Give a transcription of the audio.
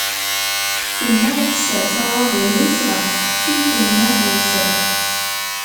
Temmeɣ, tessers aḍad-ines ɣef tqeffilt n nnaqus.